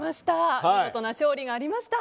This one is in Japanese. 見事な勝利がありました。